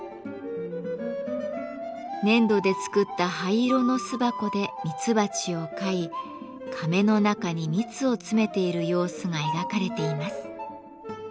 粘土で作った灰色の巣箱でミツバチを飼いかめの中に蜜を詰めている様子が描かれています。